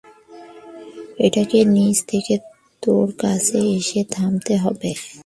এটাকে নিজে থেকে তোর কাছে এসে থামতে হবে।